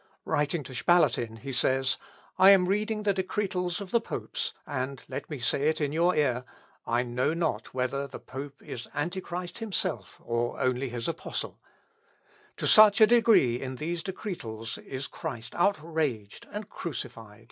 Writing Spalatin he says, "I am reading the Decretals of the popes, and, let me say it in your ear, I know not whether the pope is Antichrist himself or only his apostle; to such a degree in these Decretals is Christ outraged and crucified."